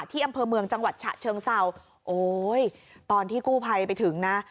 อำเภอเมืองจังหวัดฉะเชิงเศร้าโอ้ยตอนที่กู้ภัยไปถึงนะ